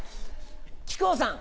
木久扇さん。